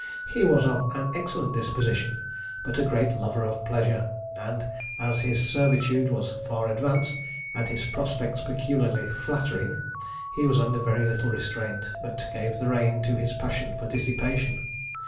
He was of an excellent disposition, but a great lover of pleasure; and as his servitude was far advanced, and his prospects peculiarly flattering, he was under very little restraint, but gave the rein to his passion for dissipation.